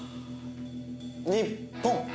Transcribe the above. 日本！